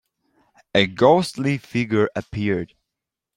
A ghostly figure appeared.